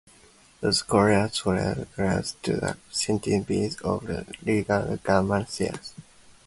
These colours roughly correspond to the sensitivities of the retinal ganglion cells.